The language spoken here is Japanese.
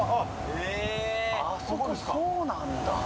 へぇあそこそうなんだ。